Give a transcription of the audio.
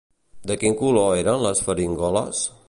De quin color eren les faringoles?